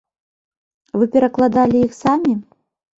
Вы перакладалі іх самі?